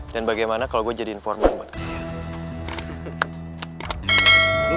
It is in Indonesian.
dan bagaimana kalau gue jadi informer buat kalian